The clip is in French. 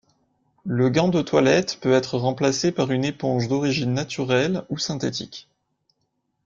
Le gant de toilette peut être remplacé par une éponge d'origine naturelle ou synthétique.